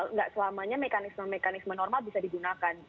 nggak selamanya mekanisme mekanisme normal bisa digunakan